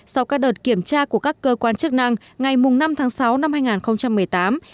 sau các đợt kiểm tra của các cơ quan chức năng ngày năm tháng sáu năm hai nghìn một mươi tám